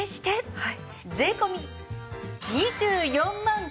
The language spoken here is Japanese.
はい。